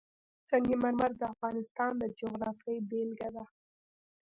سنگ مرمر د افغانستان د جغرافیې بېلګه ده.